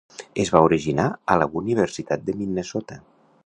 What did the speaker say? Es va originar a la Universitat de Minnesota.